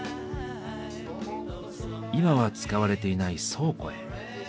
今は使われていない倉庫へ。